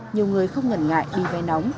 nhiều người không ngẩn ngại đi vay nóng